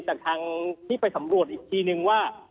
จากทางที่ไปสำรวจอีกทีนึงว่า